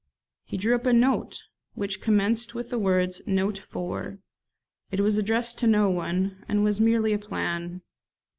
He drew up a note which commenced with the words 'Note for ...' It was addressed to no one, and was merely a plan.